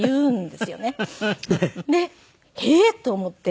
でえっ？と思って。